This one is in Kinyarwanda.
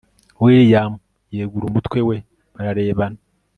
william yegura umutwe we bararebana